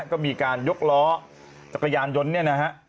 ก็มีการยกล้อจักรยานยนต์เนี่ยนะฮะ